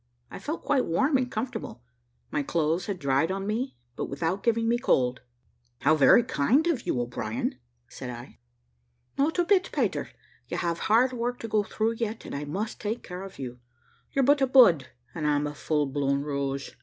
I felt quite warm and comfortable; my clothes had dried on me, but without giving me cold. "How very kind of you, O'Brien!" said I. "Not a bit, Peter: you have hard work to go through yet, and I must take care of you. You're but a bud, and I'm a full blown rose."